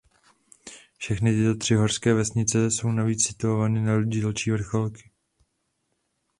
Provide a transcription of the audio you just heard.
Všechny tyto tři horské vesnice jsou navíc situovány na dílčí vrcholky.